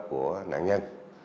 của nạn nhân